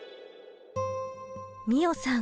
美桜さん